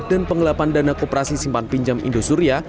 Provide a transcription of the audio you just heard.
dan pengelapan dana koperasi simpan pinjam indosuria